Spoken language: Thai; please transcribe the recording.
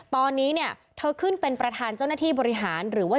ตอนนี้เนี่ยเธอขึ้นเป็นประธานเจ้าหน้าที่บริหารหรือว่า